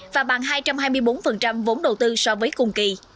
và bằng hai trăm hai mươi bốn vốn đầu tư so với cùng kỳ